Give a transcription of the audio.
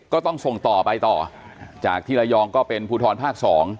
ก็ต้องส่งต่อไปต่อจากที่ระยองก็เป็นภูทรภาค๒